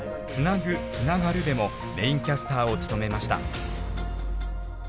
「つなぐ、つながる」でもメインキャスターを務めました。